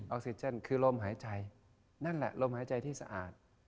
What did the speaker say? ออกซิเจนคือลมหายใจนั่นแหละลมหายใจที่สะอาด